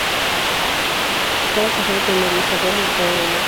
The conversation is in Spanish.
Estaba casado con María Isabel Hurtado Amós.